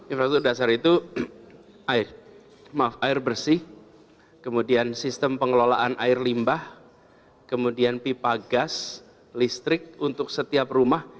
infrastruktur dasar itu air maaf air bersih kemudian sistem pengelolaan air limbah kemudian pipa gas listrik untuk setiap rumah